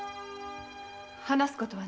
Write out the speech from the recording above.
話すことは何も。